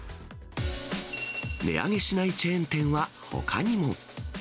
値上げしないチェーン店はほかにも。